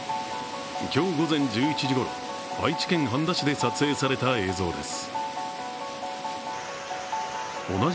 今日午前１１時ごろ、愛知県半田市で撮影された映像です。